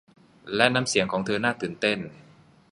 และน้ำเสียงของเธอน่าตื่นเต้น